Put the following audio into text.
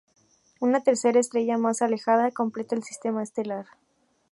Una tercera estrella más alejada completa el sistema estelar.